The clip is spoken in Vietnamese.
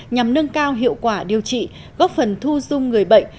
nhằm nâng cao hiệu quả điều trị góp phần thu dung người bệnh